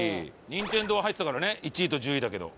ニンテンドー入ってたからね１位と１０位だけど。